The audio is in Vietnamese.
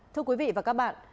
thưa quý vị và các bạn